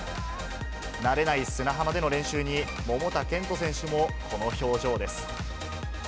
慣れない砂浜での練習に、桃田賢斗選手もこの表情です。